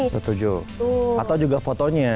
setuju atau juga fotonya